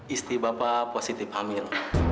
isti bapak positif hamil